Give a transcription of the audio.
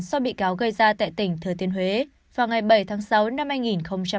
do bị cáo gây ra tại tỉnh thừa tiên huế vào ngày bảy tháng sáu năm hai nghìn hai mươi ba